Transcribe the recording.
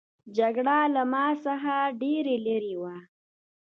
جګړه له ما څخه ډېره لیري وه.